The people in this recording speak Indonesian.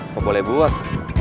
gue boleh buat